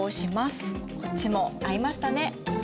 こっちも合いましたね。